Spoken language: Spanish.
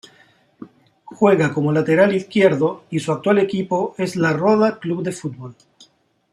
Juega como lateral izquierdo y su actual equipo es La Roda Club de Fútbol.